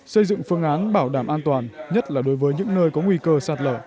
xây dựng phương án bảo đảm an toàn nhất là đối với những nơi có nguy cơ sạt lở